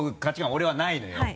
俺はないのよ。